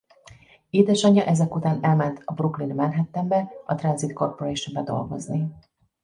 Édesanyja ezek után elment a Brooklyn–i Manhattanba a Transit Corporationba dolgozni.